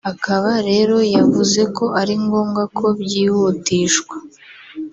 akaba rero yavuze ko ari ngombwa ko byihutishwa